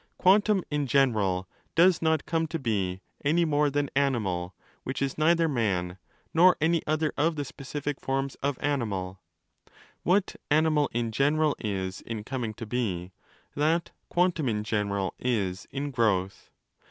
'Quantum in general' does not come to be any more than 'animal' which is neither man nor any other of the specific forms of animal: what 'animal in general' is in coming to be, that 'quantum in general' is in growth.